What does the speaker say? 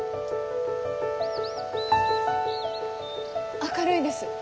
明るいです。